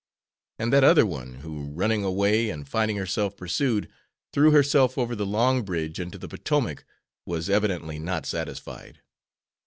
And that other one, who, running away and finding herself pursued, threw herself over the Long Bridge into the Potomac, was evidently not satisfied.